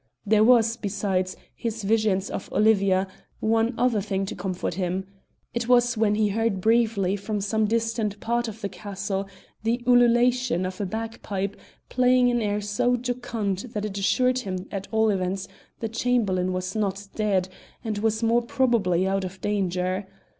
There was, besides his visions of Olivia, one other thing to comfort him; it was when he heard briefly from some distant part of the castle the ululation of a bagpipe playing an air so jocund that it assured him at all events the Chamberlain was not dead, and was more probably out of danger.